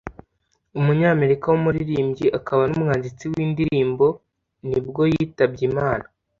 umunyamerika w’umuririmbyi akaba n’umwanditsi w’indirimbo ni bwo yitabye Imana